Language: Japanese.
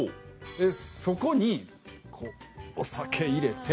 そこにこうお酒入れて。